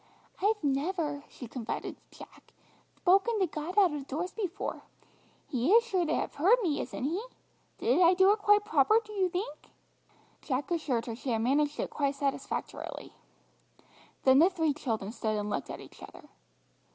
"I've never," she confided to Jack, "thpoken to God out of doors before. He is sure to have heard me, isn't He? Did I do it quite proper, do you think?" Jack assured her she had managed it quite satisfactorily. Then the three children stood and looked at each other.